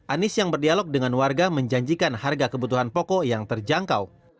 anies yang berdialog dengan warga menjanjikan harga kebutuhan pokok yang terjangkau